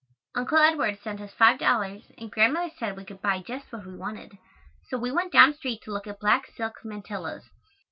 Uncle Edward sent us five dollars and Grandmother said we could buy just what we wanted, so we went down street to look at black silk mantillas.